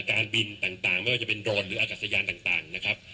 การบินต่างไม่ว่าจะเป็นโรนหรืออากาศยานต่างนะครับ